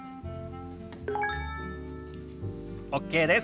ＯＫです。